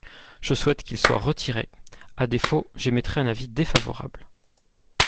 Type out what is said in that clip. Je souhaite qu’il soit retiré ; à défaut, j’émettrai un avis défavorable.